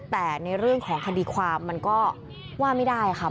แต่ในเรื่องของคดีความมันก็ว่าไม่ได้ค่ะ